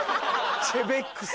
チェベックス。